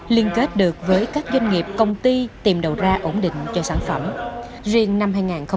liên kết được với các doanh nghiệp công ty tìm đồ ra ổn định cho sản phẩm riêng năm hai nghìn một mươi sáu